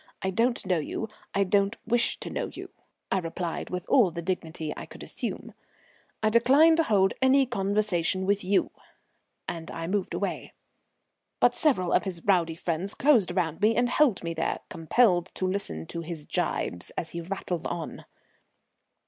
I don't know you, I don't wish to know you," I replied, with all the dignity I could assume. "I decline to hold any conversation with you," and I moved away. But several of his rowdy friends closed around me and held me there, compelled to listen to his gibes as he rattled on.